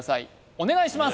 お願いします